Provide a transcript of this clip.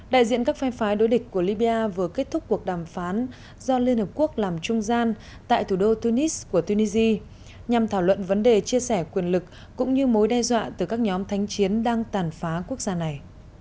đại diện các phe phái đối địch của libya vừa kết thúc cuộc đàm phán do liên hợp quốc làm trung gian tại thủ đô tunis của tunisia nhằm thảo luận vấn đề chia sẻ quyền lực cũng như mối đe dọa từ các nhóm thanh chiến đang tàn phá quốc gia này